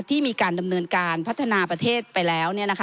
ที่มีการดำเนินการพัฒนาประเทศไปแล้วเนี่ยนะคะ